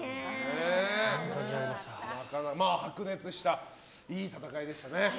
白熱したいい戦いでしたね。